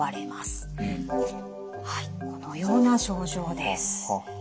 はいこのような症状です。